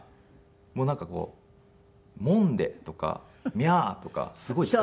もうなんかこう「もんで」とか「みゃあ」とかすごい使いますね。